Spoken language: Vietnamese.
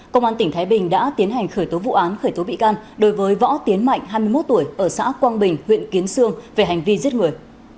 công an tỉnh thái bình đã tiến hành khởi tố vụ án khởi tố bị can đối với võ tiến mạnh hai mươi một tuổi ở xã quang bình huyện kiến sương về hành vi giết người